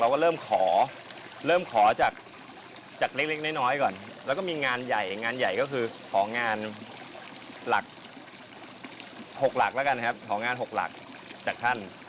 ก็เริ่มขอเริ่มขอจากเล็กน้อยก่อนแล้วก็มีงานใหญ่งานใหญ่ก็คือของานหลัก๖หลักแล้วกันนะครับของาน๖หลักจากท่าน